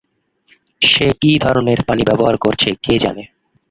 সে কী ধরনের পানি ব্যবহার করছে কে জানে।